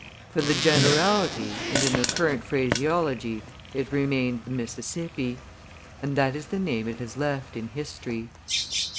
For the generality, and in the current phraseology, it remained the Mississippi; and that is the name it has left in history.